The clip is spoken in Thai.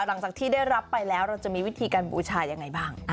หลังจากที่ได้รับไปแล้วเราจะมีวิธีการบูชายังไงบ้าง